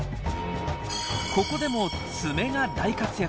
ここでも爪が大活躍！